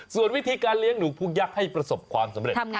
ส่วนวิธีการเลี้ยงหนูพุกยักษ์ให้ประสบความสำเร็จ